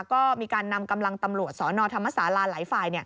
ก็มีการนำกำลังตำรวจสนธรรมศาลาหลายฝ่าย